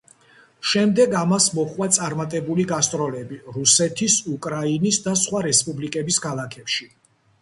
შემდეგ ამას მოჰყვა წარმატებული გასტროლები რუსეთის, უკრაინის და სხვა რესპუბლიკების ქალაქებში.